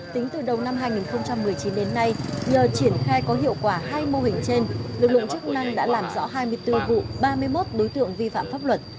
tính từ đầu năm hai nghìn một mươi chín đến nay nhờ triển khai có hiệu quả hai mô hình trên lực lượng chức năng đã làm rõ hai mươi bốn vụ ba mươi một đối tượng vi phạm pháp luật